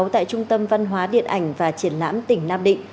tại trung tâm văn hóa điện ảnh và triển lãm tỉnh nam định